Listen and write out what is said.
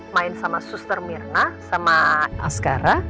main sama suster mirna sama asgara